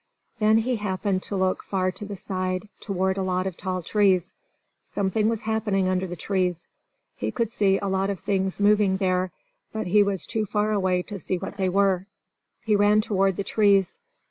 Then he happened to look far to the side, toward a lot of tall trees. Something was happening under the trees! He could see a lot of things moving there, but he was too far away to see what they were. He ran toward the trees.